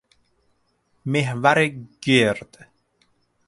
محور گرد